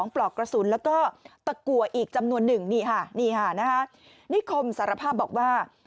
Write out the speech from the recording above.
ปลอกกระสุนแล้วก็ตะกัวอีกจำนวน๑นี่ค่ะนิคมสารภาพบอกว่า